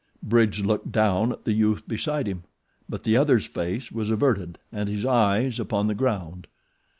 Bridge looked down at the youth beside him; but the other's face was averted and his eyes upon the ground.